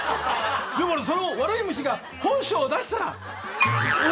でもなその悪い虫が本性を出したらお。